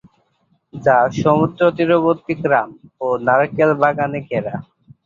যা সমুদ্রতীরবর্তী গ্রাম ও নারিকেল বাগানে ঘেরা।